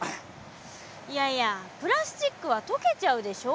いやいやプラスチックは溶けちゃうでしょ？